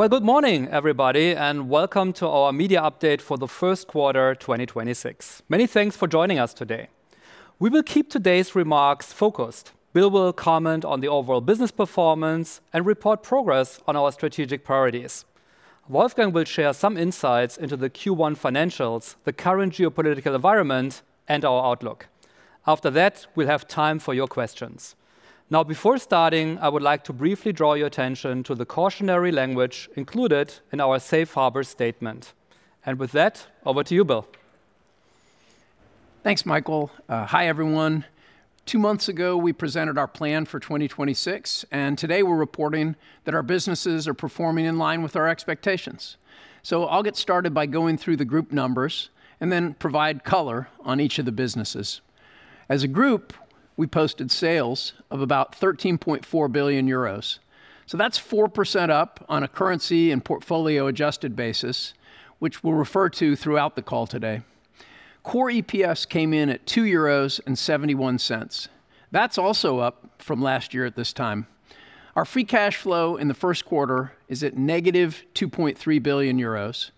Well, good morning, everybody, and welcome to our media update for the first quarter 2026. Many thanks for joining us today. We will keep today's remarks focused. Bill will comment on the overall business performance and report progress on our strategic priorities. Wolfgang will share some insights into the Q1 financials, the current geopolitical environment, and our outlook. After that, we'll have time for your questions. Now, before starting, I would like to briefly draw your attention to the cautionary language included in our Safe Harbor statement. With that, over to you, Bill. Thanks, Michael. Hi, everyone. 2 months ago, we presented our plan for 2026, and today we're reporting that our businesses are performing in line with our expectations. I'll get started by going through the group numbers and then provide color on each of the businesses. As a group, we posted sales of about 13.4 billion euros. That's 4% up on a currency and portfolio adjusted basis, which we'll refer to throughout the call today. Core EPS came in at 2.71 euros. That's also up from last year at this time. Our free cash flow in the first quarter is at negative 2.3 billion euros.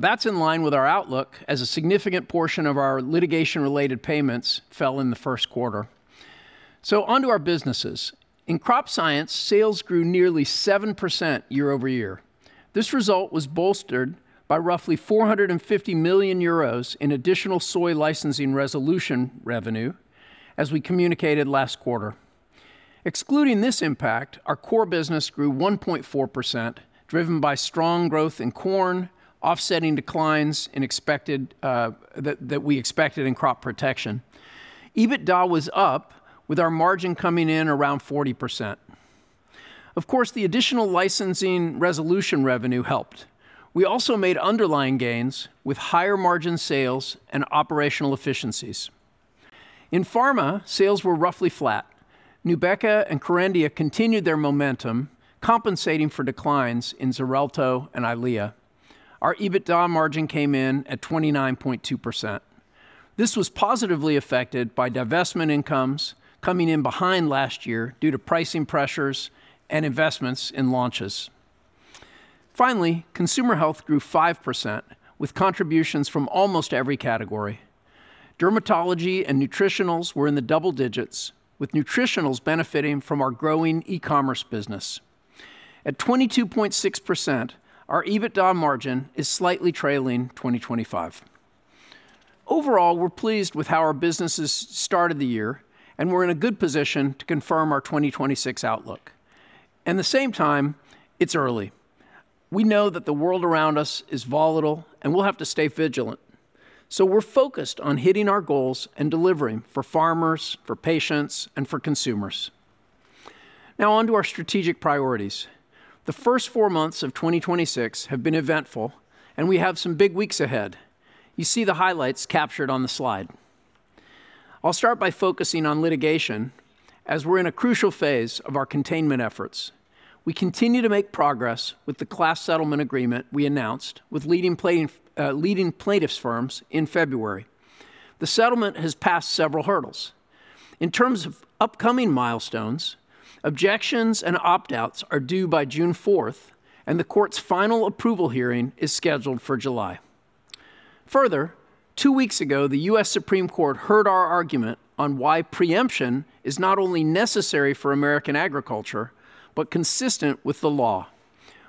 That's in line with our outlook as a significant portion of our litigation-related payments fell in the first quarter. Onto our businesses. In Crop Science, sales grew nearly 7% year-over-year. This result was bolstered by roughly 450 million euros in additional soy licensing resolution revenue, as we communicated last quarter. Excluding this impact, our core business grew 1.4%, driven by strong growth in corn, offsetting declines in expected in crop protection. EBITDA was up, with our margin coming in around 40%. Of course, the additional licensing resolution revenue helped. We also made underlying gains with higher margin sales and operational efficiencies. In Pharma, sales were roughly flat. Nubeqa and KERENDIA continued their momentum, compensating for declines in Xarelto and Eylea. Our EBITDA margin came in at 29.2%. This was positively affected by divestment incomes coming in behind last year due to pricing pressures and investments in launches. Finally, Consumer Health grew 5%, with contributions from almost every category. Dermatology and Nutritionals were in the double digits, with Nutritionals benefiting from our growing e-commerce business. At 22.6%, our EBITDA margin is slightly trailing 2025. We're pleased with how our businesses started the year, and we're in a good position to confirm our 2026 outlook. It's early. We know that the world around us is volatile, and we'll have to stay vigilant. We're focused on hitting our goals and delivering for farmers, for patients, and for consumers. Onto our strategic priorities. The first 4 months of 2026 have been eventful, and we have some big weeks ahead. You see the highlights captured on the slide. I'll start by focusing on litigation, as we're in a crucial phase of our containment efforts. We continue to make progress with the class settlement agreement we announced with leading plaintiffs firms in February. The settlement has passed several hurdles. In terms of upcoming milestones, objections and opt-outs are due by June fourth, and the court's final approval hearing is scheduled for July. Further, two weeks ago, the U.S. Supreme Court heard our argument on why federal preemption is not only necessary for American agriculture, but consistent with the law.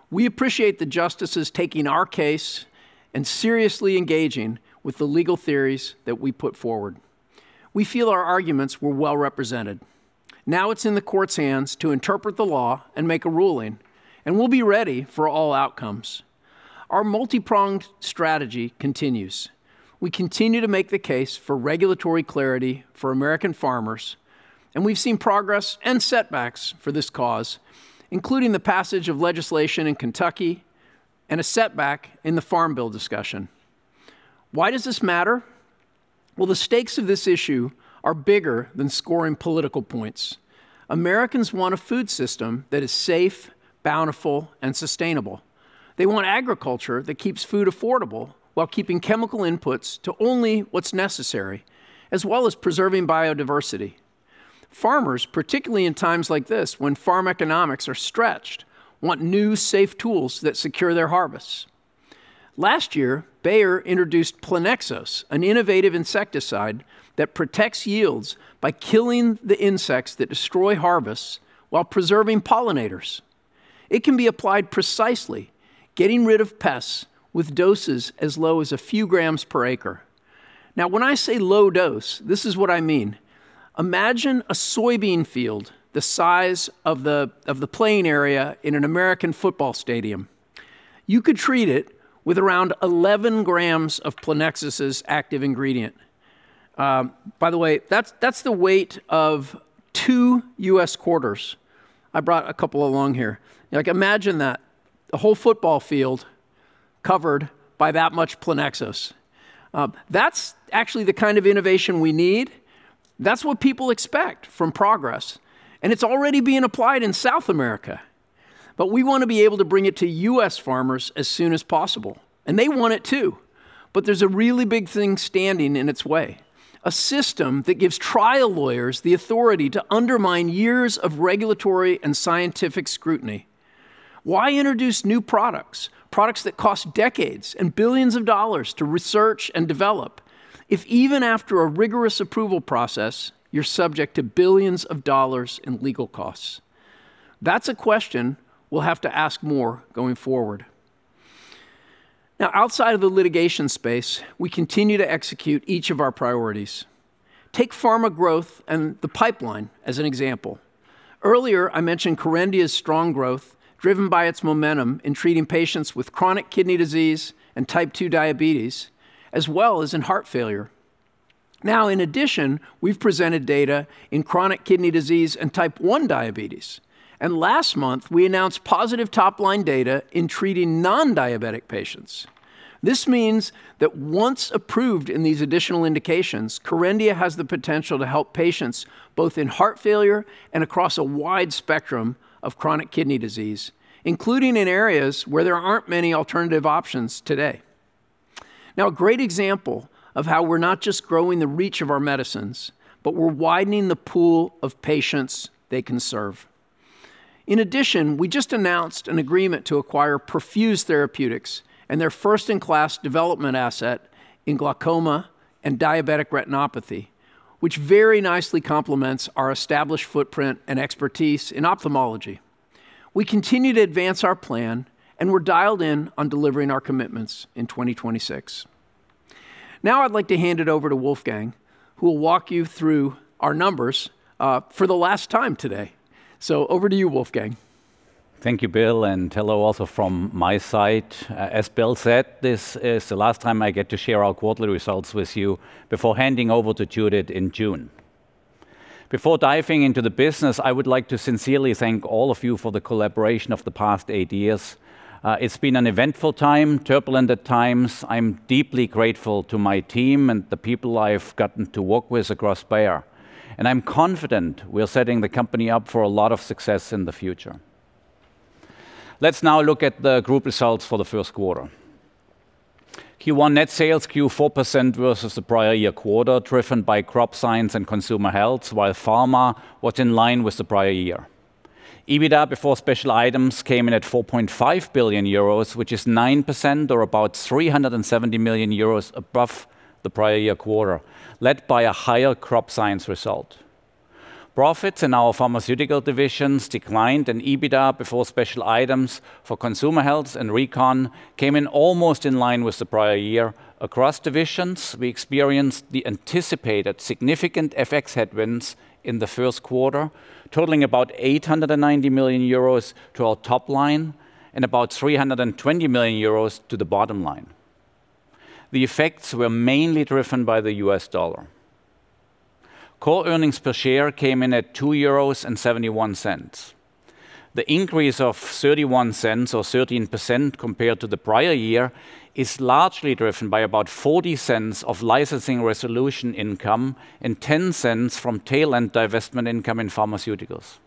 We appreciate the justices taking our case and seriously engaging with the legal theories that we put forward. We feel our arguments were well represented. It's in the court's hands to interpret the law and make a ruling, and we'll be ready for all outcomes. Our multi-pronged strategy continues. We continue to make the case for regulatory clarity for American farmers. We've seen progress and setbacks for this cause, including the passage of legislation in Kentucky and a setback in the Farm Bill discussion. Why does this matter? Well, the stakes of this issue are bigger than scoring political points. Americans want a food system that is safe, bountiful, and sustainable. They want agriculture that keeps food affordable while keeping chemical inputs to only what's necessary, as well as preserving biodiversity. Farmers, particularly in times like this when farm economics are stretched, want new, safe tools that secure their harvests. Last year, Bayer introduced Plenexos, an innovative insecticide that protects yields by killing the insects that destroy harvests while preserving pollinators. It can be applied precisely, getting rid of pests with doses as low as a few grams per acre. When I say low dose, this is what I mean. Imagine a soybean field the size of the playing area in an American football stadium. You could treat it with around 11 grams of Plenexos' active ingredient. By the way, that's the weight of 2 US quarters. I brought a couple along here. Like imagine that, a whole football field covered by that much Plenexos. That's actually the kind of innovation we need. That's what people expect from progress, it's already being applied in South America. We want to be able to bring it to US farmers as soon as possible, they want it too. There's a really big thing standing in its way, a system that gives trial lawyers the authority to undermine years of regulatory and scientific scrutiny. Why introduce new products that cost decades and EUR billions to research and develop, if even after a rigorous approval process, you're subject to EUR billions in legal costs? That's a question we'll have to ask more going forward. Now, outside of the litigation space, we continue to execute each of our priorities. Take Pharma growth and the pipeline as an example. Earlier, I mentioned KERENDIA's strong growth, driven by its momentum in treating patients with chronic kidney disease and type 2 diabetes, as well as in heart failure. Now, in addition, we've presented data in chronic kidney disease and type 1 diabetes, and last month we announced positive top-line data in treating non-diabetic patients. This means that once approved in these additional indications, KERENDIA has the potential to help patients both in heart failure and across a wide spectrum of chronic kidney disease, including in areas where there aren't many alternative options today. A great example of how we're not just growing the reach of our medicines, but we're widening the pool of patients they can serve. In addition, we just announced an agreement to acquire Perfuse Therapeutics and their first-in-class development asset in glaucoma and diabetic retinopathy, which very nicely complements our established footprint and expertise in ophthalmology. We continue to advance our plan, and we're dialed in on delivering our commitments in 2026. I'd like to hand it over to Wolfgang, who will walk you through our numbers for the last time today. Over to you, Wolfgang. Thank you, Bill, and hello also from my side. As Bill said, this is the last time I get to share our quarterly results with you before handing over to Judith in June. Before diving into the business, I would like to sincerely thank all of you for the collaboration of the past eight years. It's been an eventful time, turbulent at times. I'm deeply grateful to my team and the people I've gotten to work with across Bayer, and I'm confident we're setting the company up for a lot of success in the future. Let's now look at the group results for the first quarter. Q1 net sales, 4% versus the prior year quarter, driven by Crop Science and Consumer Health, while Pharma was in line with the prior year. EBITDA before special items came in at 4.5 billion euros, which is 9% or about 370 million euros above the prior year quarter, led by a higher Crop Science result. Profits in our Pharmaceuticals divisions declined in EBITDA before special items for Consumer Health and Reconciliation came in almost in line with the prior year. Across divisions, we experienced the anticipated significant FX headwinds in the first quarter, totaling about 890 million euros to our top line and about 320 million euros to the bottom line. The effects were mainly driven by the US dollar. Core Earnings Per Share came in at 2.71 euros. The increase of 0.31 or 13% compared to the prior year is largely driven by about 0.40 of licensing resolution income and 0.10 from tail end divestment income in Pharmaceuticals.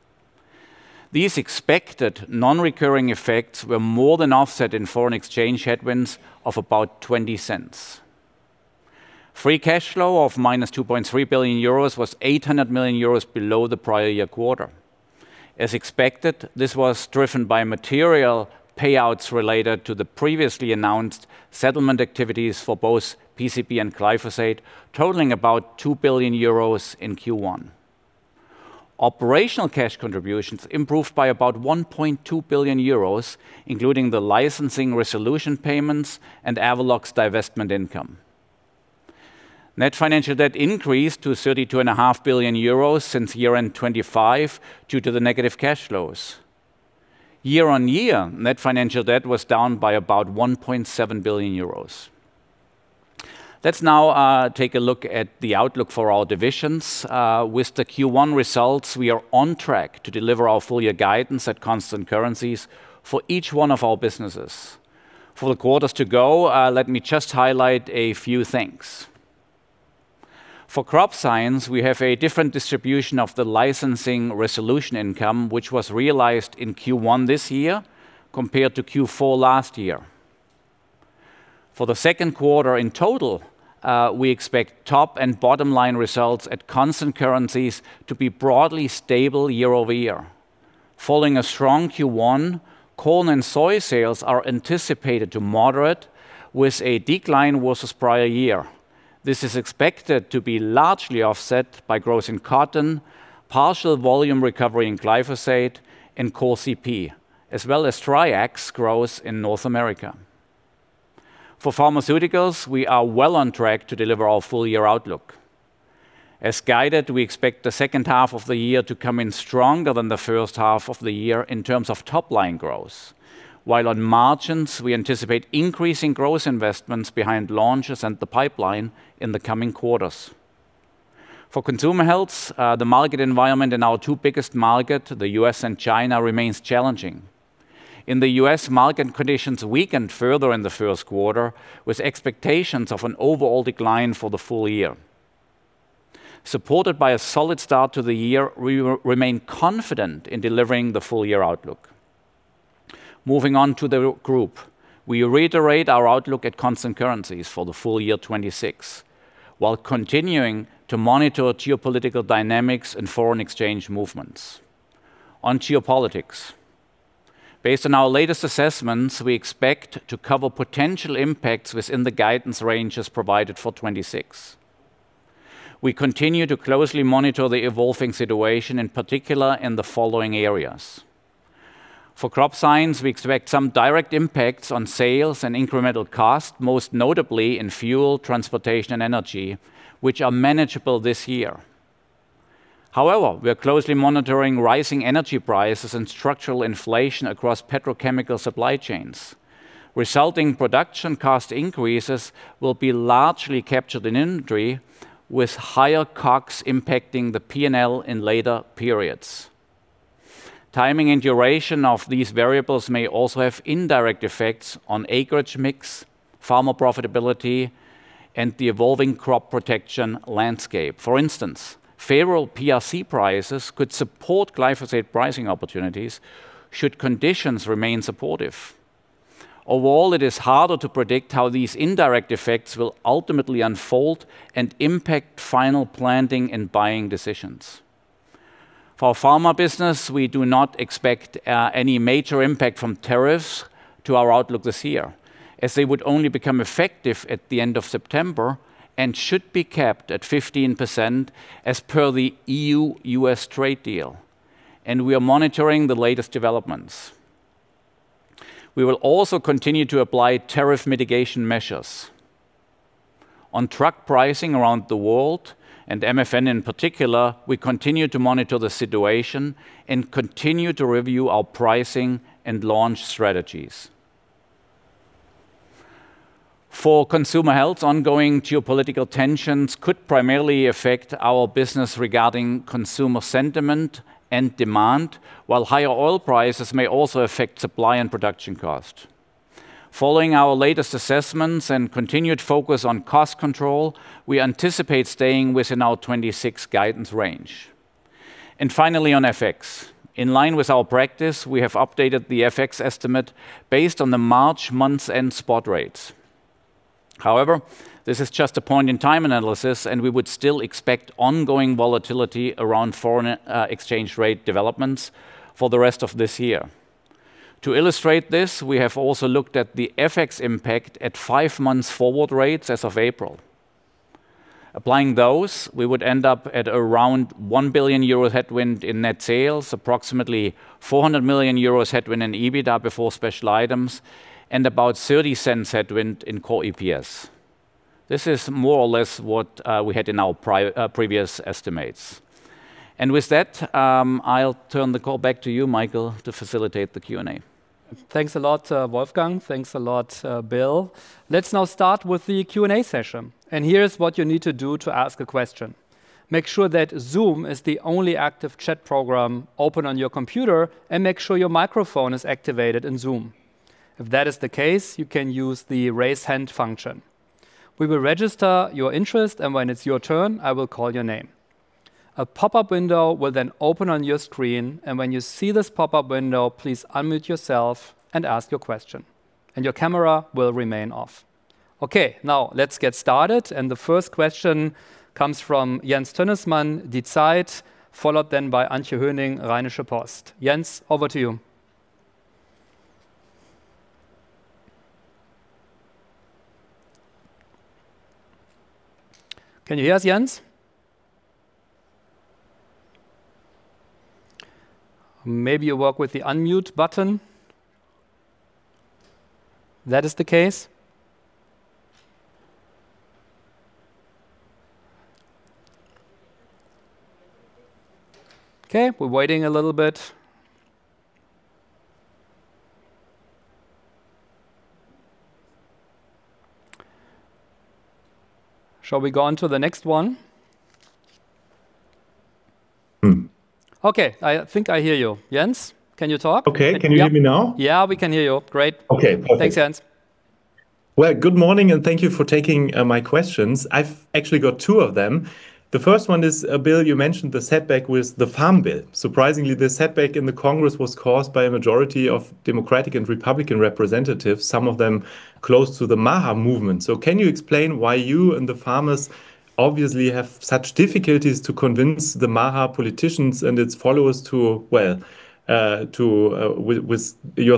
These expected non-recurring effects were more than offset in foreign exchange headwinds of about 0.20. Free cash flow of minus 2.3 billion euros was 800 million euros below the prior year quarter. As expected, this was driven by material payouts related to the previously announced settlement activities for both PCB and glyphosate, totaling about 2 billion euros in Q1. Operational cash contributions improved by about 1.2 billion euros, including the licensing resolution payments and Avelox divestment income. Net financial debt increased to thirty-two and a half billion euros since year-end 2025 due to the negative cash flows. Year-on-year, net financial debt was down by about 1.7 billion euros. Let's now take a look at the outlook for our divisions. With the Q1 results, we are on track to deliver our full year guidance at constant currencies for each one of our businesses. For the quarters to go, let me just highlight a few things. For Crop Science, we have a different distribution of the licensing resolution income, which was realized in Q1 this year compared to Q4 last year. For the second quarter in total, we expect top and bottom line results at constant currencies to be broadly stable year-over-year. Following a strong Q1, corn and soy sales are anticipated to moderate with a decline versus prior year. This is expected to be largely offset by growth in cotton, partial volume recovery in glyphosate and Core CP, as well as Triax growth in North America. For Pharmaceuticals, we are well on track to deliver our full year outlook. As guided, we expect the second half of the year to come in stronger than the first half of the year in terms of top-line growth. While on margins, we anticipate increasing growth investments behind launches and the pipeline in the coming quarters. For Consumer Health, the market environment in our two biggest markets, the U.S. and China, remains challenging. In the U.S., market conditions weakened further in the first quarter, with expectations of an overall decline for the full year. Supported by a solid start to the year, we remain confident in delivering the full year outlook. Moving on to the group, we reiterate our outlook at constant currencies for the full year 26. While continuing to monitor geopolitical dynamics and foreign exchange movements. On geopolitics, based on our latest assessments, we expect to cover potential impacts within the guidance ranges provided for 26. We continue to closely monitor the evolving situation, in particular in the following areas. For Crop Science, we expect some direct impacts on sales and incremental cost, most notably in fuel, transportation, and energy, which are manageable this year. However, we are closely monitoring rising energy prices and structural inflation across petrochemical supply chains. Resulting production cost increases will be largely captured in inventory, with higher COGS impacting the P&L in later periods. Timing and duration of these variables may also have indirect effects on acreage mix, farmer profitability, and the evolving crop protection landscape. For instance, favorable PRC prices could support glyphosate pricing opportunities should conditions remain supportive. Overall, it is harder to predict how these indirect effects will ultimately unfold and impact final planting and buying decisions. For our farmer business, we do not expect any major impact from tariffs to our outlook this year, as they would only become effective at the end of September and should be capped at 15% as per the EU/U.S. trade deal. We are monitoring the latest developments. We will also continue to apply tariff mitigation measures. On truck pricing around the world, and MFN in particular, we continue to monitor the situation and continue to review our pricing and launch strategies. For Consumer Health, ongoing geopolitical tensions could primarily affect our business regarding consumer sentiment and demand, while higher oil prices may also affect supply and production cost. Following our latest assessments and continued focus on cost control, we anticipate staying within our 2026 guidance range. Finally, on FX. In line with our practice, we have updated the FX estimate based on the March month-end spot rates. This is just a point-in-time analysis, and we would still expect ongoing volatility around foreign exchange rate developments for the rest of this year. To illustrate this, we have also looked at the FX impact at 5 months forward rates as of April. Applying those, we would end up at around 1 billion euros headwind in net sales, approximately 400 million euros headwind in EBITDA before special items, and about 0.30 headwind in Core EPS. This is more or less what we had in our previous estimates. With that, I'll turn the call back to you, Michael, to facilitate the Q&A. Thanks a lot, Wolfgang. Thanks a lot, Bill. Let's now start with the Q&A session. Here's what you need to do to ask a question. Make sure that Zoom is the only active chat program open on your computer, and make sure your microphone is activated in Zoom. If that is the case, you can use the Raise Hand function. We will register your interest, and when it's your turn, I will call your name. A pop-up window will then open on your screen, and when you see this pop-up window, please unmute yourself and ask your question. Your camera will remain off. Okay, now let's get started, and the first question comes from Jens Tönnesmann, Die Zeit, followed then by Antje Höning, Rheinische Post. Jens, over to you. Can you hear us, Jens? Maybe you work with the unmute button? That is the case. Okay, we're waiting a little bit. Shall we go on to the next one? Okay, I think I hear you. Jens, can you talk? Okay. Can you hear me now? Yeah, we can hear you. Great. Okay, perfect. Thanks, Jens. Good morning, and thank you for taking my questions. I've actually got two of them. The first one is, Bill, you mentioned the setback with the Farm Bill. Surprisingly, the setback in the Congress was caused by a majority of Democratic and Republican representatives, some of them close to the MAHA movement. Can you explain why you and the farmers obviously have such difficulties to convince the MAHA politicians and its followers with your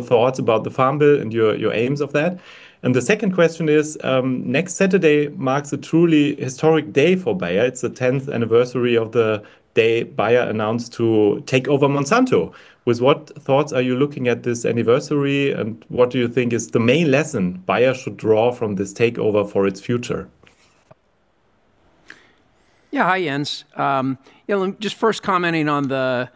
thoughts about the Farm Bill and your aims of that? The second question is, next Saturday marks a truly historic day for Bayer. It's the 10th anniversary of the day Bayer announced to take over Monsanto. With what thoughts are you looking at this anniversary, and what do you think is the main lesson Bayer should draw from this takeover for its future? Yeah. Hi, Jens. Yeah, just first commenting on the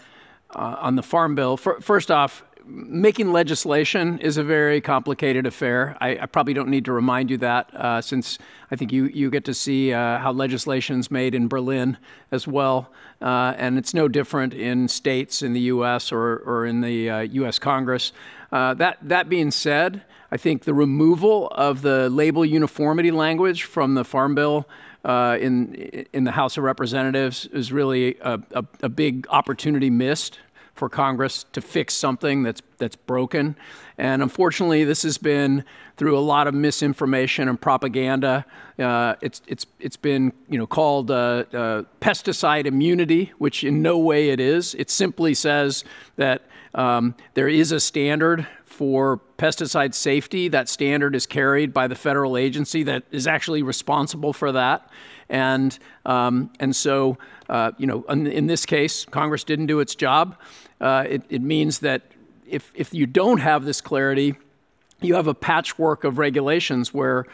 Farm Bill. First off, making legislation is a very complicated affair. I probably don't need to remind you that, since I think you get to see how legislation's made in Berlin as well. It's no different in states in the U.S. or in the U.S. Congress. That being said, I think the removal of the label uniformity language from the Farm Bill, in the House of Representatives is really a big opportunity missed for Congress to fix something that's broken. Unfortunately, this has been through a lot of misinformation and propaganda. It's been, you know, called pesticide immunity, which in no way it is. It simply says that there is a standard for pesticide safety. That standard is carried by the federal agency that is actually responsible for that. In this case, Congress didn't do its job. It means that if you don't have this clarity. You have a patchwork of regulations where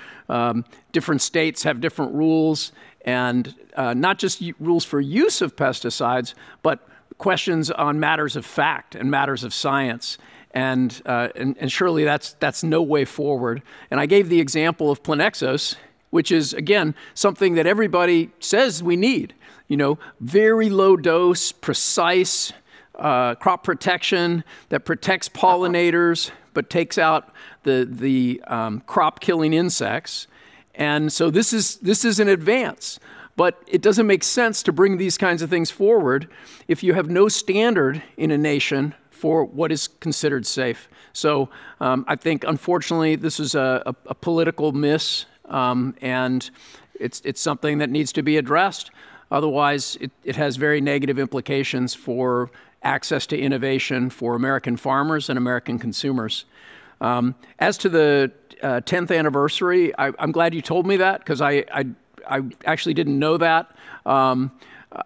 different states have different rules and not just rules for use of pesticides, but questions on matters of fact and matters of science. Surely that's no way forward. I gave the example of Plenexos, which is again, something that everybody says we need. Very low dose, precise crop protection that protects pollinators, but takes out the crop killing insects. This is an advance, but it doesn't make sense to bring these kinds of things forward if you have no standard in a nation for what is considered safe. I think unfortunately this is a political miss, and it's something that needs to be addressed, otherwise it has very negative implications for access to innovation for American farmers and American consumers. As to the 10th anniversary, I'm glad you told me that 'cause I actually didn't know that.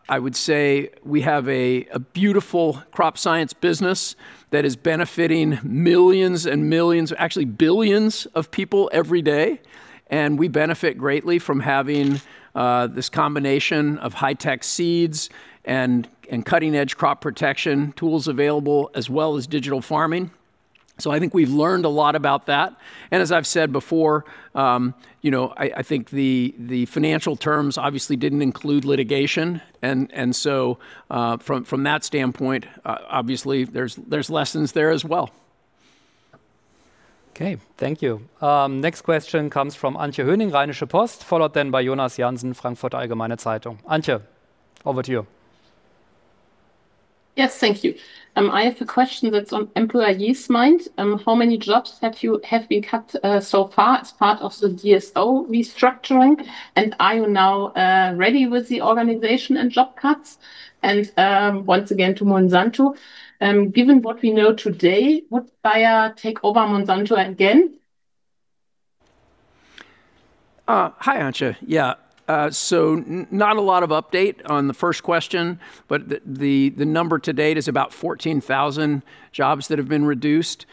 I would say we have a beautiful Crop Science business that is benefiting millions and millions, actually billions of people every day, and we benefit greatly from having this combination of high-tech seeds and cutting-edge Crop Protection tools available as well as digital farming. I think we've learned a lot about that. As I've said before, you know, I think the financial terms obviously didn't include litigation and so, from that standpoint, obviously there's lessons there as well. Okay. Thank you. Next question comes from Antje Höning, Rheinische Post, followed then by Jonas Jansen, Frankfurter Allgemeine Zeitung. Antje, over to you. Yes, thank you. I have a question that's on employees' mind. How many jobs have been cut so far as part of the DSO restructuring? Are you now ready with the organization and job cuts? Once again to Monsanto, given what we know today, would Bayer take over Monsanto again? Hi, Antje. Not a lot of update on the first question, but the number to date is about 14,000 jobs that have been reduced.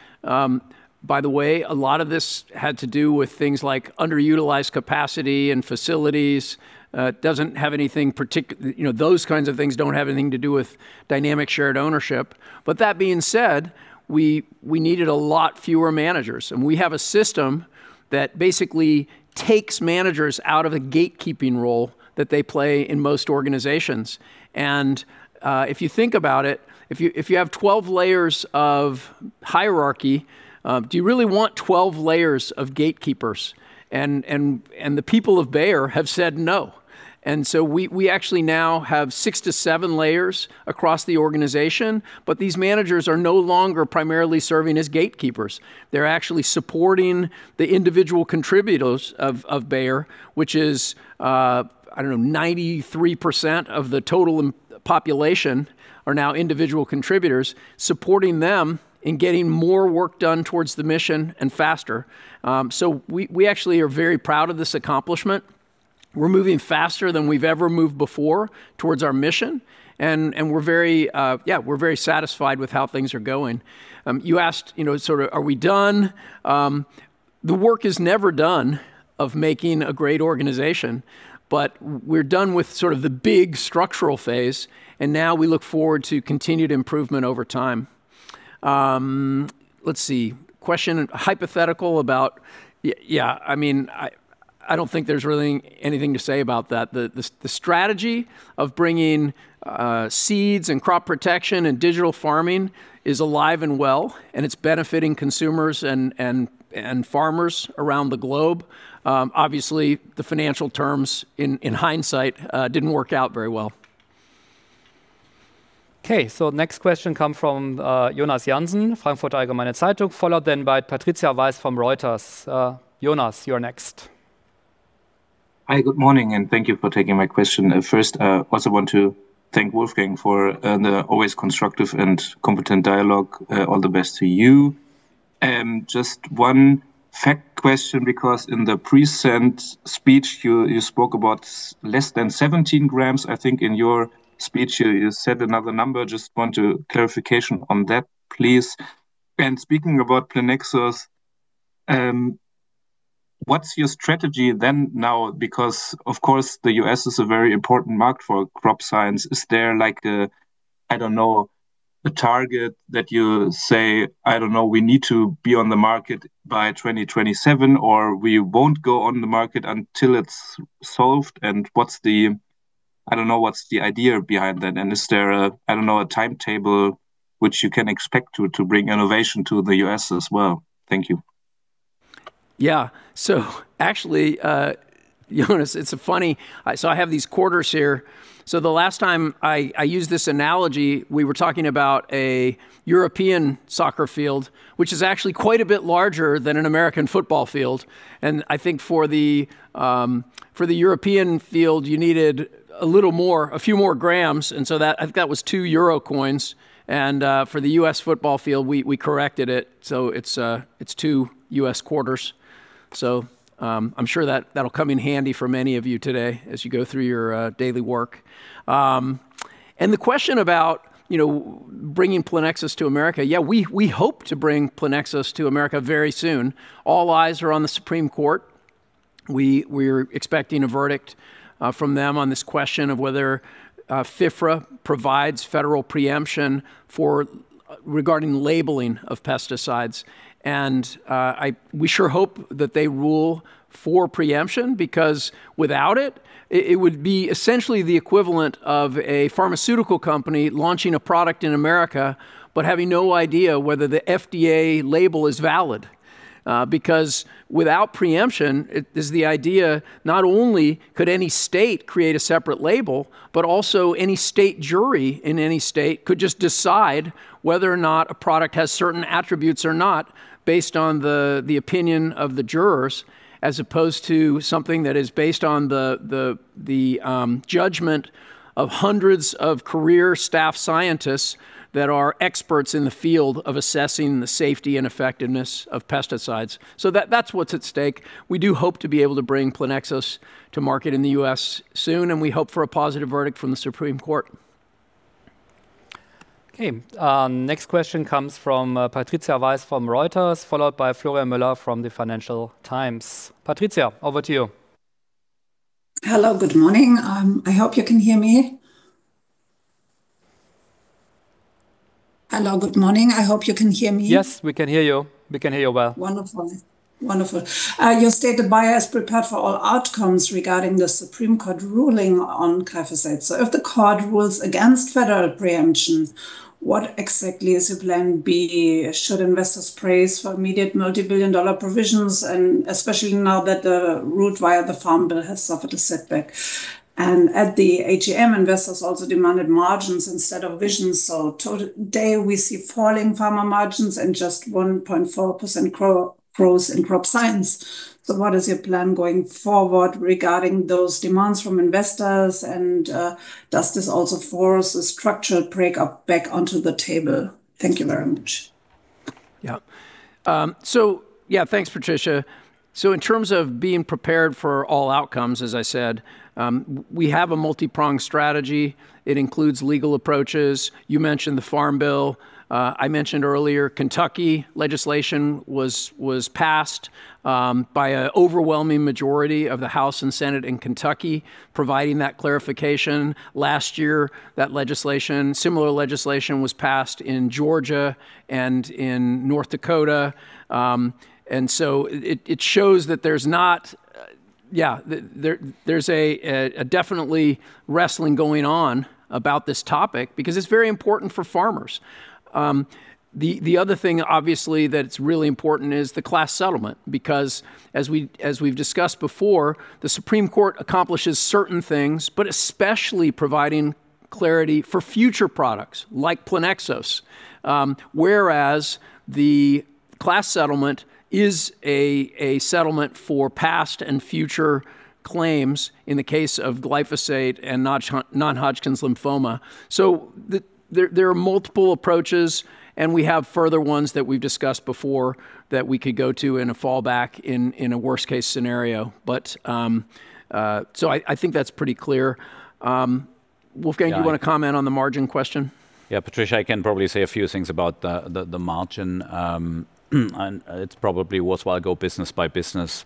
By the way, a lot of this had to do with things like underutilized capacity and facilities. It doesn't have anything. You know, those kinds of things don't have anything to do with Dynamic Shared Ownership. That being said, we needed a lot fewer managers, and we have a system that basically takes managers out of a gatekeeping role that they play in most organizations. If you think about it, if you have 12 layers of hierarchy, do you really want 12 layers of gatekeepers? The people of Bayer have said no. We actually now have 6 to 7 layers across the organization, but these managers are no longer primarily serving as gatekeepers. They're actually supporting the individual contributors of Bayer, which is, I don't know, 93% of the total population are now individual contributors, supporting them in getting more work done towards the mission and faster. We actually are very proud of this accomplishment. We're moving faster than we've ever moved before towards our mission, and we're very satisfied with how things are going. You asked, you know, sort of are we done? The work is never done of making a great organization, but we're done with sort of the big structural phase, and now we look forward to continued improvement over time. Let's see. Question, hypothetical about yeah, I mean, I don't think there's really anything to say about that. The strategy of bringing seeds and crop protection and digital farming is alive and well, and it's benefiting consumers and farmers around the globe. Obviously the financial terms in hindsight didn't work out very well. Next question come from Jonas Jansen, Frankfurter Allgemeine Zeitung, followed by Patricia Weiss from Reuters. Jonas, you're next. Hi, good morning, and thank you for taking my question. First, I also want to thank Wolfgang for the always constructive and competent dialogue. All the best to you. Just 1 fact question because in the present speech you spoke about less than 17 grams. I think in your speech you said another number. Just want a clarification on that, please. Speaking about Plenexos, what's your strategy then now? Because of course the U.S. is a very important market for Crop Science. Is there like a target that you say, we need to be on the market by 2027, or we won't go on the market until it's solved? What's the idea behind that? Is there a, I don't know, a timetable which you can expect to bring innovation to the U.S. as well? Thank you. Yeah. Actually, Jonas, it's a funny I have these quarters here. The last time I used this analogy, we were talking about a European soccer field, which is actually quite a bit larger than an American football field, I think for the European field, you needed a little more, a few more grams, I think that was 2 euro coins. For the U.S. football field, we corrected it's 2 U.S. quarters. I'm sure that'll come in handy for many of you today as you go through your daily work. The question about, you know, bringing Plenexos to America, yeah, we hope to bring Plenexos to America very soon. All eyes are on the Supreme Court. We're expecting a verdict from them on this question of whether FIFRA provides federal preemption regarding labeling of pesticides. We sure hope that they rule for preemption because without it would be essentially the equivalent of a pharmaceutical company launching a product in America, but having no idea whether the FDA label is valid. Because without preemption, it is the idea not only could any state create a separate label, but also any state jury in any state could just decide whether or not a product has certain attributes or not based on the opinion of the jurors as opposed to something that is based on the judgment of hundreds of career staff scientists that are experts in the field of assessing the safety and effectiveness of pesticides. That's what's at stake. We do hope to be able to bring Plenexos to market in the U.S. soon, and we hope for a positive verdict from the Supreme Court. Okay. Next question comes from Patricia Weiss from Reuters, followed by Florian Müller from the Financial Times. Patricia, over to you. Hello, good morning. I hope you can hear me. Yes, we can hear you. We can hear you well. Wonderful. Wonderful. You stated Bayer is prepared for all outcomes regarding the Supreme Court ruling on glyphosate. If the court rules against federal preemption, what exactly is your plan B? Should investors brace for immediate multi-billion EUR provisions, especially now that the route via the Farm Bill has suffered a setback? At the AGM, investors also demanded margins instead of visions. To date, we see falling Pharma margins and just 1.4% grows in Crop Science. What is your plan going forward regarding those demands from investors? Does this also force a structured breakup back onto the table? Thank you very much. Thanks, Patricia. In terms of being prepared for all outcomes, as I said, we have a multi-pronged strategy. It includes legal approaches. You mentioned the Farm Bill. I mentioned earlier Kentucky legislation was passed by an overwhelming majority of the House and Senate in Kentucky, providing that clarification. Last year, that legislation, similar legislation was passed in Georgia and in North Dakota. It shows that there's not, there's definitely wrestling going on about this topic because it's very important for farmers. The other thing obviously that it's really important is the class settlement because as we've discussed before, the Supreme Court accomplishes certain things, but especially providing clarity for future products like Plenexos. Whereas the class settlement is a settlement for past and future claims in the case of glyphosate and non-Hodgkin's lymphoma. There are multiple approaches, and we have further ones that we've discussed before that we could go to in a fallback in a worst-case scenario. I think that's pretty clear. Wolfgang. Do you wanna comment on the margin question? Patricia, I can probably say a few things about the margin. It's probably worthwhile go business by business.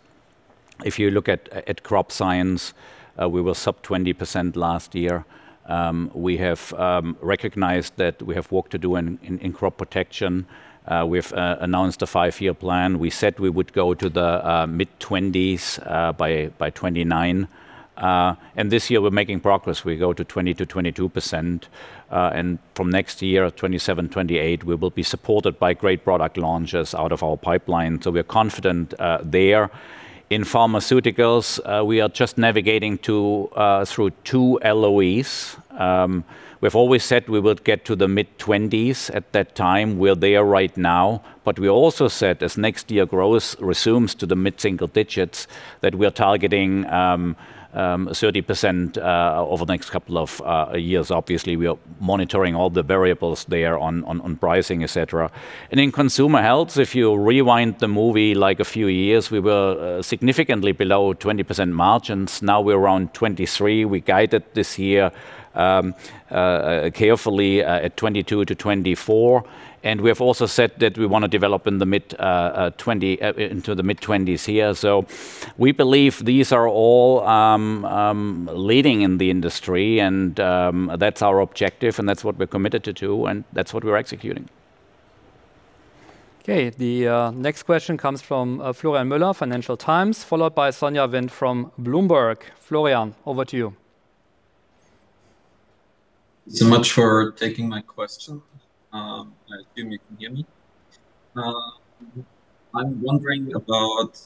If you look at Crop Science, we were sub 20% last year. We have recognized that we have work to do in crop protection. We've announced a 5-year plan. We said we would go to the mid-20s by 2029. This year we're making progress. We go to 20%-22%. From next year, 2027, 2028, we will be supported by great product launches out of our pipeline, so we're confident there. In Pharmaceuticals, we are just navigating through 2 LOEs. We've always said we would get to the mid-20s at that time. We're there right now. We also said as next year growth resumes to the mid-single digits, that we are targeting 30% over the next couple of years. Obviously, we are monitoring all the variables there on pricing, et cetera. In Consumer Health, if you rewind the movie like a few years, we were significantly below 20% margins. Now we're around 23%. We guided this year carefully at 22%-24%. We have also said that we wanna develop in the mid-20s here. We believe these are all leading in the industry and that's our objective and that's what we're committed to do and that's what we're executing. Okay. The next question comes from Florian Müller, Financial Times, followed by Sonja Wind from Bloomberg. Florian, over to you. Much for taking my question. Assume you can hear me. I'm wondering about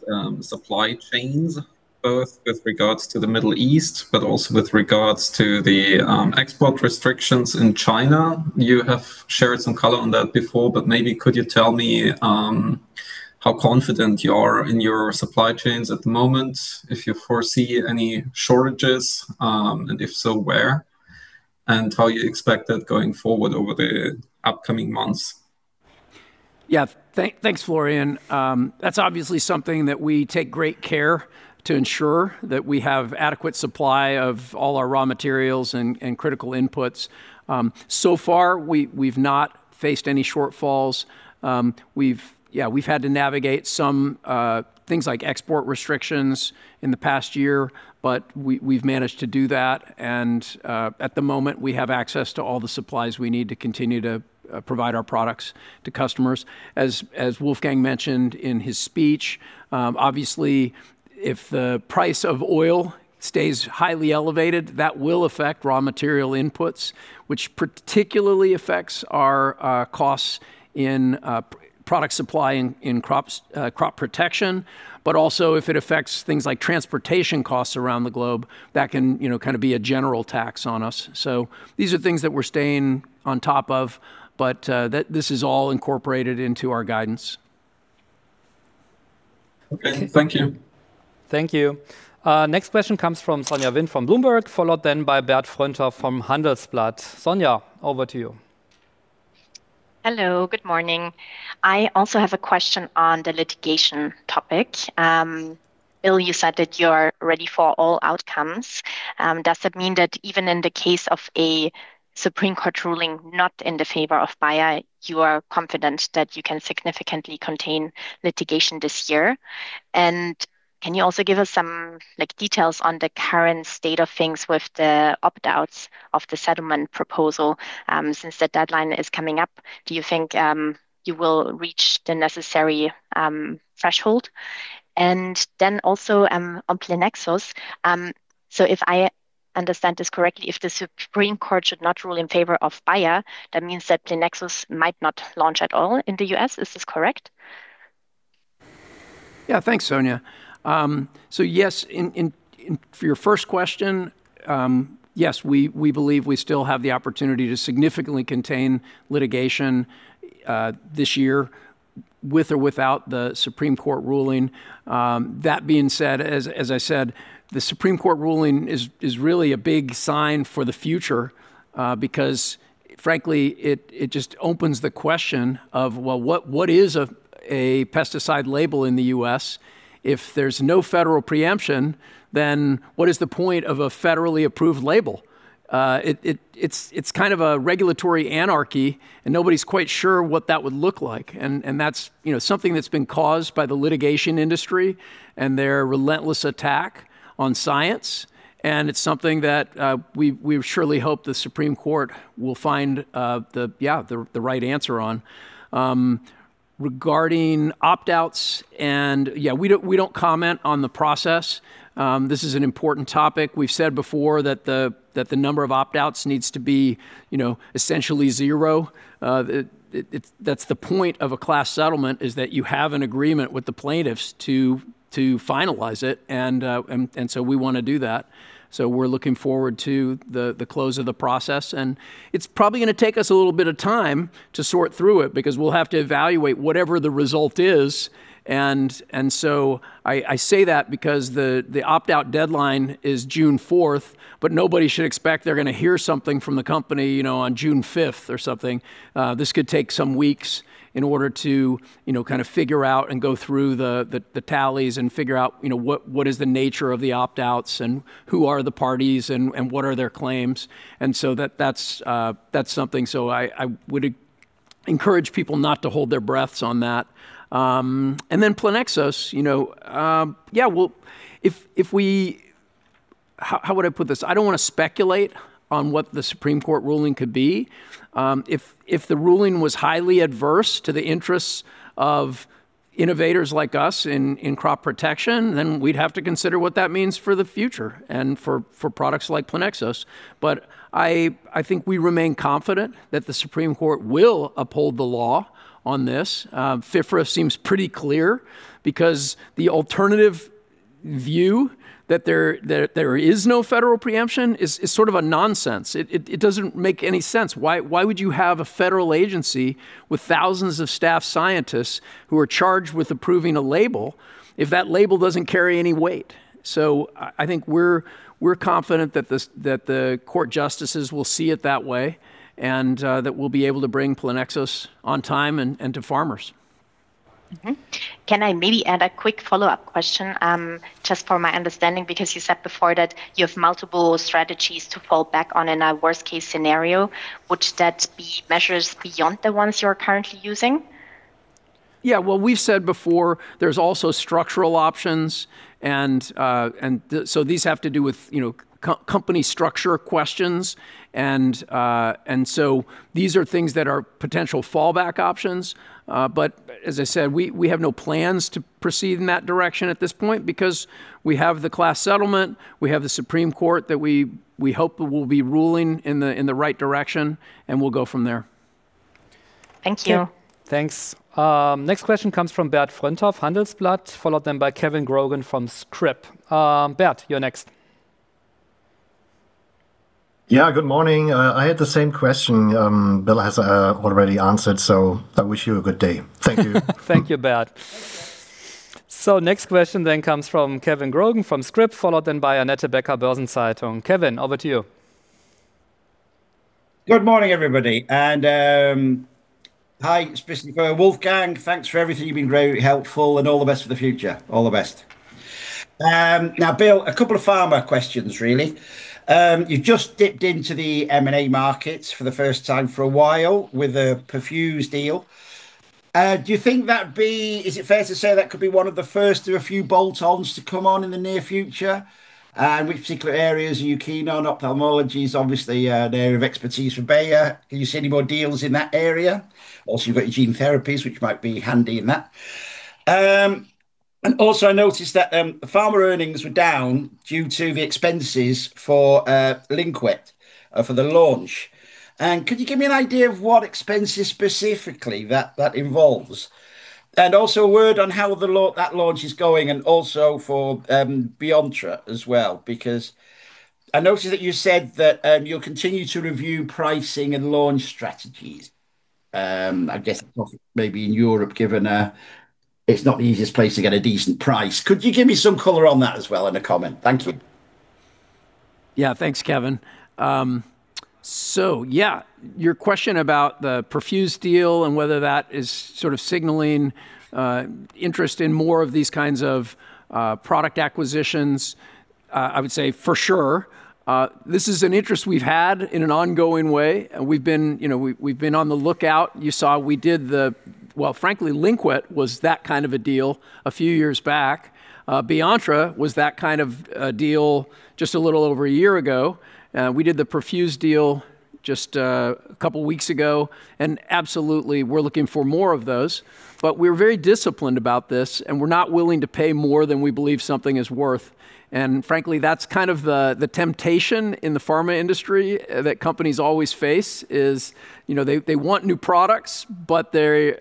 supply chains, both with regards to the Middle East, but also with regards to the export restrictions in China. You have shared some color on that before, but maybe could you tell me how confident you are in your supply chains at the moment, if you foresee any shortages, and if so, where, and how you expect that going forward over the upcoming months? Yeah. Thanks, Florian. That's obviously something that we take great care to ensure that we have adequate supply of all our raw materials and critical inputs. So far we've not faced any shortfalls. We've had to navigate some things like export restrictions in the past year, but we've managed to do that. At the moment, we have access to all the supplies we need to continue to provide our products to customers. As Wolfgang mentioned in his speech, obviously if the price of oil stays highly elevated, that will affect raw material inputs, which particularly affects our costs in product supplying in crop protection. Also if it affects things like transportation costs around the globe, that can, you know, kind of be a general tax on us. These are things that we're staying on top of, but this is all incorporated into our guidance. Okay. Thank you. Thank you. Next question comes from Sonja Wind from Bloomberg, followed then by Bert Fröndhoff from Handelsblatt. Sonja, over to you. Hello. Good morning. I also have a question on the litigation topic. Bill, you said that you're ready for all outcomes. Does that mean that even in the case of a Supreme Court ruling not in the favor of Bayer, you are confident that you can significantly contain litigation this year? Can you also give us some, like, details on the current state of things with the opt-outs of the settlement proposal, since the deadline is coming up? Do you think you will reach the necessary threshold? Also, on Plenexos, if I understand this correctly, if the Supreme Court should not rule in favor of Bayer, that means that Plenexos might not launch at all in the U.S. Is this correct? Yeah. Thanks, Sonja. Yes, for your first question, yes, we believe we still have the opportunity to significantly contain litigation this year with or without the Supreme Court ruling. That being said, as I said, the Supreme Court ruling is really a big sign for the future, because frankly, it just opens the question of, well, what is a pesticide label in the U.S. if there's no federal preemption? What is the point of a federally approved label? It's kind of a regulatory anarchy, and nobody's quite sure what that would look like. That's, you know, something that's been caused by the litigation industry and their relentless attack on science, and it's something that we surely hope the Supreme Court will find the right answer on. Regarding opt-outs, we don't comment on the process. This is an important topic. We've said before that the number of opt-outs needs to be, you know, essentially zero. That's the point of a class settlement, is that you have an agreement with the plaintiffs to finalize it, and we wanna do that. We're looking forward to the close of the process. It's probably gonna take us a little bit of time to sort through it because we'll have to evaluate whatever the result is. I say that because the opt-out deadline is June 4th, but nobody should expect they're gonna hear something from the company, you know, on June 5th or something. This could take some weeks in order to, you know, kind of figure out and go through the tallies and figure out, you know, what is the nature of the opt-outs and who are the parties and what are their claims. That's something, so I would encourage people not to hold their breaths on that. Plenaxis, you know, would I put this? I don't wanna speculate on what the Supreme Court ruling could be. If the ruling was highly adverse to the interests of innovators like us in crop protection, then we'd have to consider what that means for the future and for products like Plenexos. I think we remain confident that the Supreme Court will uphold the law on this. FIFRA seems pretty clear because the alternative view that there is no federal preemption is sort of a nonsense. It doesn't make any sense. Why would you have a federal agency with thousands of staff scientists who are charged with approving a label if that label doesn't carry any weight? I think we're confident that the court justices will see it that way and that we'll be able to bring Plenexos on time and to farmers. Can I maybe add a quick follow-up question just for my understanding? You said before that you have multiple strategies to fall back on in a worst case scenario. Would that be measures beyond the ones you are currently using? Yeah. Well, we've said before there's also structural options and so these have to do with, you know, company structure questions and so these are things that are potential fallback options. As I said, we have no plans to proceed in that direction at this point because we have the class settlement, we have the Supreme Court that we hope will be ruling in the right direction, and we'll go from there. Thank you. Yeah. Thanks. Next question comes from Bert Fröndhoff, Handelsblatt, followed then by Kevin Grogan from Scrip. Bert, you're next. Yeah. Good morning. I had the same question, Bill has already answered, so I wish you a good day. Thank you. Thank you, Bert. Next question then comes from Kevin Grogan from Scrip, followed then by Annette Becker, Börsen-Zeitung. Kevin, over to you. Good morning, everybody. Hi, specifically for Wolfgang, thanks for everything. You've been very helpful, and all the best for the future. All the best. Now, Bill, a couple of pharma questions really. You've just dipped into the M&A markets for the first time for a while with a Perfuse deal. Do you think Is it fair to say that could be one of the first of a few bolt-ons to come on in the near future? Which particular areas are you keen on? Ophthalmology is obviously the area of expertise for Bayer. Can you see any more deals in that area? Also, you've got your gene therapies, which might be handy in that. Also I noticed that the pharma earnings were down due to the expenses for Lynkuet for the launch. Could you give me an idea of what expenses specifically that involves? Also a word on how that launch is going, and also for BEYONTTRA as well because I noticed that you said that you'll continue to review pricing and launch strategies. I guess probably maybe in Europe given it's not the easiest place to get a decent price. Could you give me some color on that as well and a comment? Thank you. Yeah. Thanks, Kevin. Yeah, your question about the Perfuse deal and whether that is sort of signaling interest in more of these kinds of product acquisitions, I would say for sure. This is an interest we've had in an ongoing way, and we've been, you know, we've been on the lookout. You saw we did the Well, frankly, Lynkuet was that kind of a deal a few years back. BEYONTTRA was that kind of a deal just a little over a year ago. We did the Perfuse deal just a couple weeks ago. Absolutely, we're looking for more of those. We're very disciplined about this, and we're not willing to pay more than we believe something is worth. Frankly, that's kind of the temptation in the pharma industry that companies always face, is, you know, they want new products, but they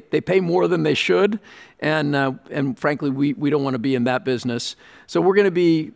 pay more than they should. Frankly, we don't wanna be in that business. We're gonna be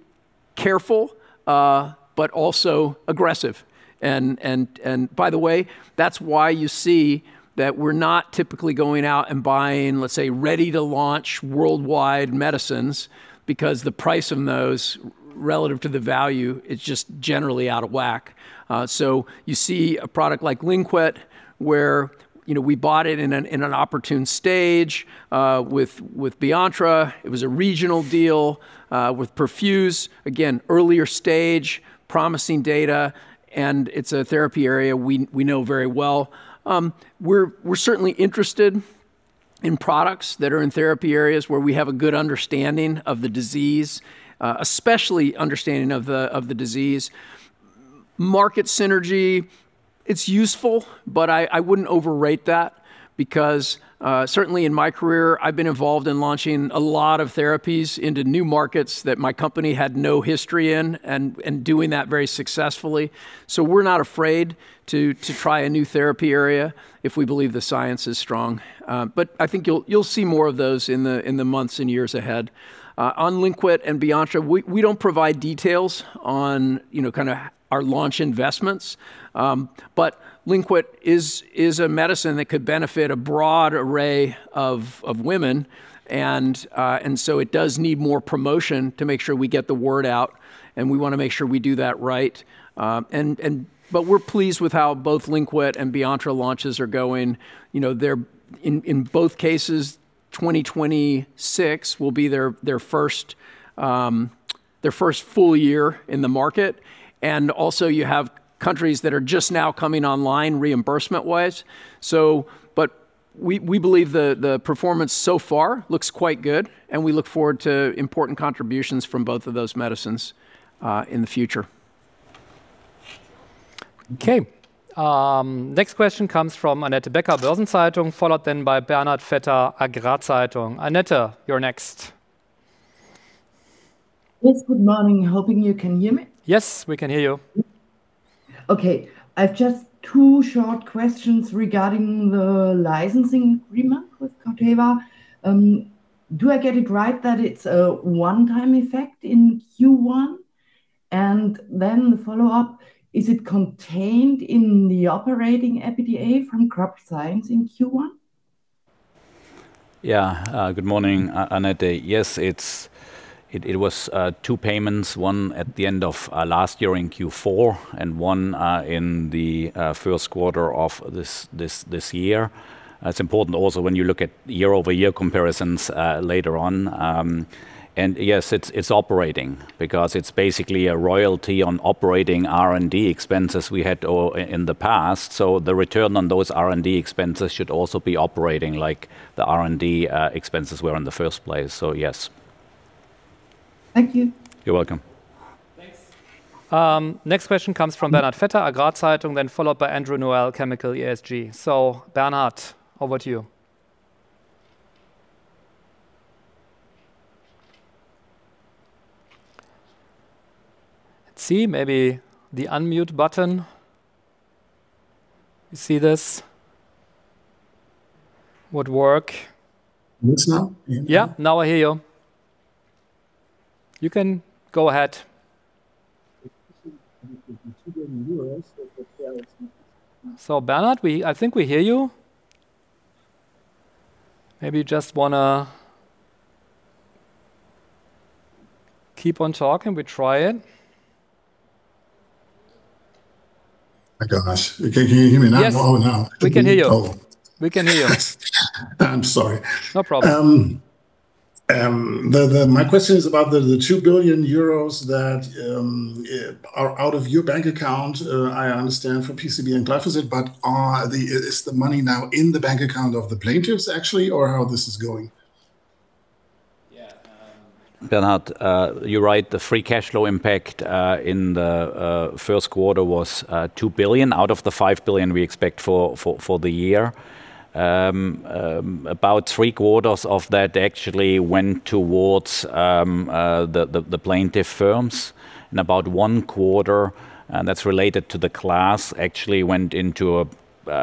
careful, but also aggressive. By the way, that's why you see that we're not typically going out and buying, let's say, ready-to-launch worldwide medicines because the price on those relative to the value is just generally out of whack. You see a product like Lynkuet where, you know, we bought it in an opportune stage. With BEYONTTRA it was a regional deal. With Perfuse, again, earlier stage, promising data, and it's a therapy area we know very well. We're certainly interested in products that are in therapy areas where we have a good understanding of the disease, especially understanding of the disease. Market synergy, it's useful, but I wouldn't overrate that because certainly in my career, I've been involved in launching a lot of therapies into new markets that my company had no history in and doing that very successfully. We're not afraid to try a new therapy area if we believe the science is strong. But I think you'll see more of those in the months and years ahead. On Lynkuet and BEYONTTRA, we don't provide details on, you know, kinda our launch investments. Lynkuet is a medicine that could benefit a broad array of women, and so it does need more promotion to make sure we get the word out, and we wanna make sure we do that right. We're pleased with how both Lynkuet and BEYONTTRA launches are going. You know, in both cases, 2026 will be their first full year in the market. Also you have countries that are just now coming online reimbursement-wise. We believe the performance so far looks quite good, and we look forward to important contributions from both of those medicines in the future. Okay. Next question comes from Annette Becker, Börsen-Zeitung, followed then by Bernhard Vetter, agrarzeitung. Annette, you're next. Yes. Good morning. Hoping you can hear me. Yes, we can hear you. Okay. I've just 2 short questions regarding the licensing agreement with Corteva. Do I get it right that it's a one-time effect in Q1? The follow-up, is it contained in the operating EBITDA from Crop Science in Q1? Good morning, Annette. Yes, it was 2 payments, one at the end of last year in Q4 and one in the 1st quarter of this year. It's important also when you look at year-over-year comparisons later on. Yes, it's operating because it's basically a royalty on operating R&D expenses we had in the past. The return on those R&D expenses should also be operating like the R&D expenses were in the 1st place. Yes. Thank you. You're welcome. Thanks. Next question comes from Bernhard Vetter, agrarzeitung, then followed by Andrew Noel, chemicalESG. Bernhard, over to you. Let's see. Maybe the unmute button. You see this? Would work. Works now. Can you hear me? Yeah, now I hear you. You can go ahead. Bernhard, I think we hear you. Maybe you just Keep on talking. We try it. My gosh. Can you hear me now? Yes. Oh, now. We can hear you. Oh. We can hear you. I'm sorry. No problem. My question is about the 2 billion euros that are out of your bank account, I understand for PCB and glyphosate. Is the money now in the bank account of the plaintiffs actually, or how this is going? Bernard, you're right. The free cash flow impact in the first quarter was 2 billion out of the 5 billion we expect for the year. About three-quarters of that actually went towards the plaintiff firms, and about one-quarter, and that's related to the class, actually went into a,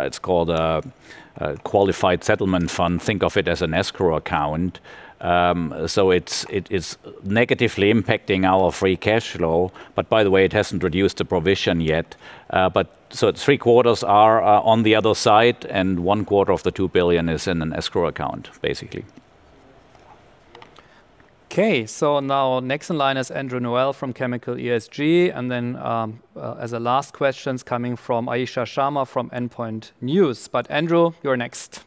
it's called a qualified settlement fund. Think of it as an escrow account. It is negatively impacting our free cash flow. By the way, it hasn't reduced the provision yet. Three-quarters are on the other side, and one-quarter of the 2 billion is in an escrow account basically. Okay. next in line is Andrew Noel from chemicalESG, and then, as a last question's coming from Ayisha Sharma from Endpoints News. Andrew, you're next.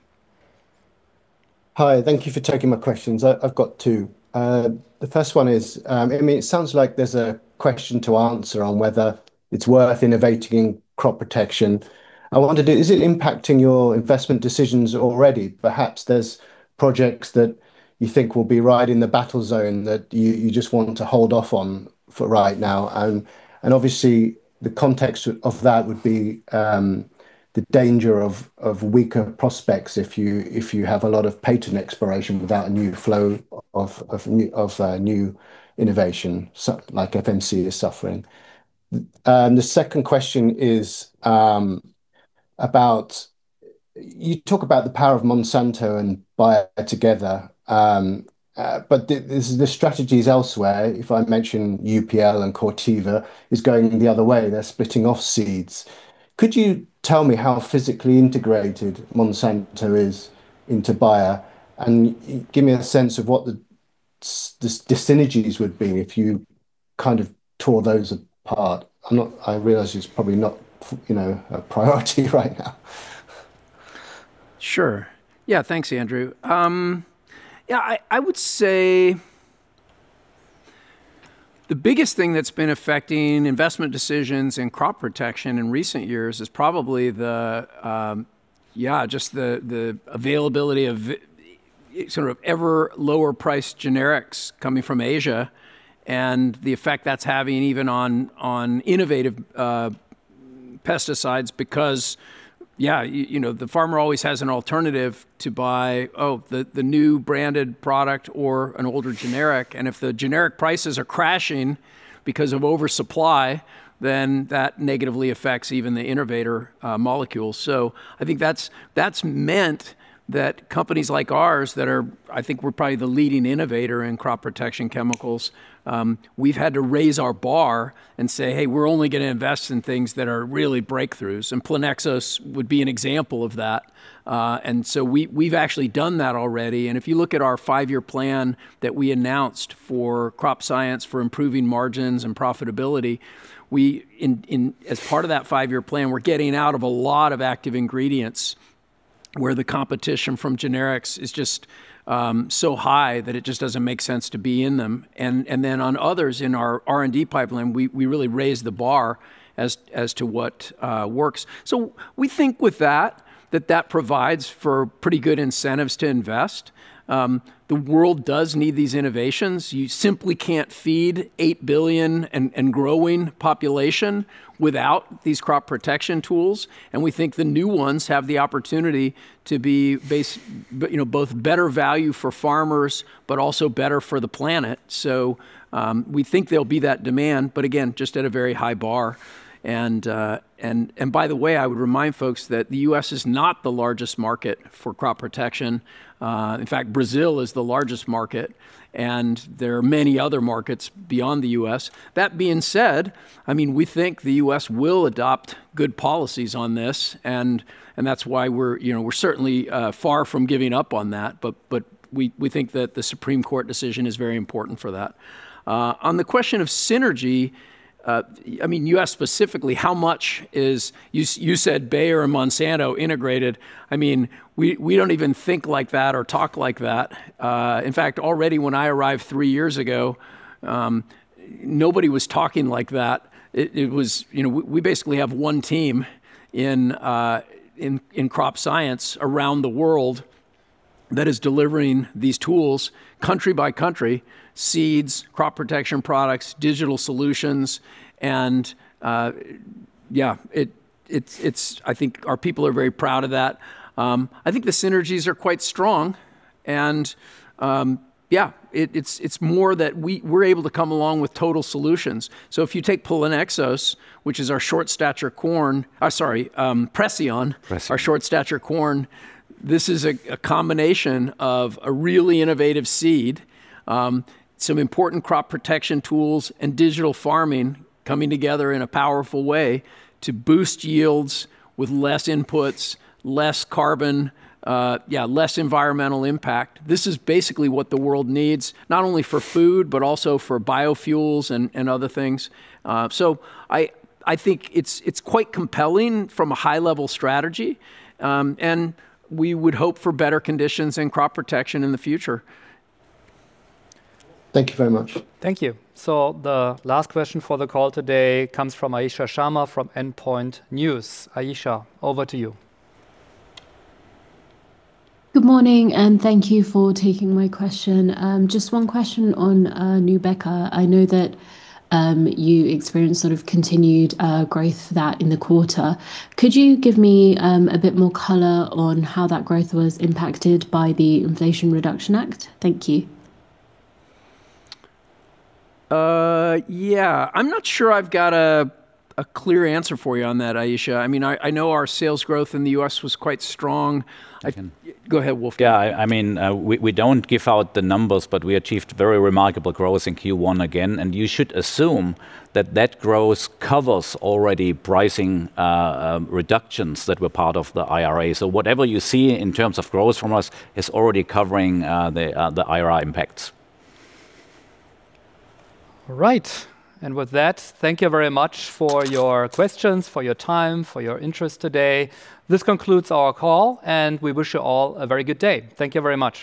Hi. Thank you for taking my questions. I've got two. The first one is, I mean, it sounds like there's a question to answer on whether it's worth innovating crop protection. Is it impacting your investment decisions already? Perhaps there's projects that you think will be right in the battle zone that you just want to hold off on for right now. And obviously, the context of that would be the danger of weaker prospects if you have a lot of patent exploration without a new flow of new innovation, like FMC is suffering. The second question is about you talk about the power of Monsanto and Bayer together. The strategy's elsewhere. If I mention UPL and Corteva is going the other way, they're splitting off seeds. Could you tell me how physically integrated Monsanto is into Bayer, and give me a sense of what the synergies would be if you kind of tore those apart? I realize it's probably not you know, a priority right now. Thanks, Andrew. I would say the biggest thing that's been affecting investment decisions in crop protection in recent years is probably just the availability of sort of ever lower price generics coming from Asia and the effect that's having even on innovative pesticides because, you know, the farmer always has an alternative to buy, the new branded product or an older generic. If the generic prices are crashing because of oversupply, then that negatively affects even the innovator molecule. I think that's meant that companies like ours that are, I think we're probably the leading innovator in crop protection chemicals, we've had to raise our bar and say, "Hey, we're only gonna invest in things that are really breakthroughs," and Plenaxis would be an example of that. We've actually done that already, and if you look at our 5-year plan that we announced for Crop Science, for improving margins and profitability, as part of that 5-year plan, we're getting out of a lot of active ingredients where the competition from generics is so high that it just doesn't make sense to be in them. Then on others in our R&D pipeline, we really raised the bar as to what works. We think with that provides for pretty good incentives to invest. The world does need these innovations. You simply can't feed 8 billion and growing population without these crop protection tools. We think the new ones have the opportunity to be you know, both better value for farmers, but also better for the planet. We think there'll be that demand, but again, just at a very high bar. By the way, I would remind folks that the U.S. is not the largest market for crop protection. In fact, Brazil is the largest market, and there are many other markets beyond the U.S. That being said, I mean, we think the U.S. will adopt good policies on this and that's why we're, you know, we're certainly far from giving up on that. We think that the Supreme Court decision is very important for that. On the question of synergy, I mean, you asked specifically how much is You said Bayer and Monsanto integrated. I mean, we don't even think like that or talk like that. In fact, already when I arrived three years ago, nobody was talking like that. You know, we basically have one team in Crop Science around the world that is delivering these tools country by country, seeds, crop protection products, digital solutions, and it's I think our people are very proud of that. I think the synergies are quite strong, and it's more that we're able to come along with total solutions. If you take Plenaxis, which is our short stature corn, sorry, Preceon. Preceon our short stature corn, this is a combination of a really innovative seed, some important crop protection tools and digital farming coming together in a powerful way to boost yields with less inputs, less carbon, less environmental impact. This is basically what the world needs not only for food, but also for biofuels and other things. I think it's quite compelling from a high-level strategy, and we would hope for better conditions and crop protection in the future. Thank you very much. Thank you. The last question for the call today comes from Ayisha Sharma from Endpoints News. Ayisha, over to you. Good morning, and thank you for taking my question. Just one question on Nubeqa. I know that you experienced sort of continued growth for that in the quarter. Could you give me a bit more color on how that growth was impacted by the Inflation Reduction Act? Thank you. Yeah. I'm not sure I've got a clear answer for you on that, Ayisha. I mean, I know our sales growth in the U.S. was quite strong. Go ahead, Wolfgang. I mean, we don't give out the numbers, but we achieved very remarkable growth in Q1 again. You should assume that that growth covers already pricing reductions that were part of the IRA. Whatever you see in terms of growth from us is already covering the IRA impacts. All right. With that, thank you very much for your questions, for your time, for your interest today. This concludes our call, and we wish you all a very good day. Thank you very much.